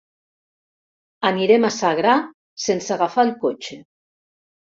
Anirem a Sagra sense agafar el cotxe.